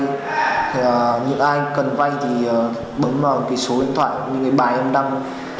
thì những ai cần vay thì bấm vào số điện thoại những bài em đăng